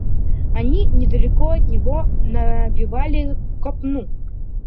Они недалеко от него навивали копну.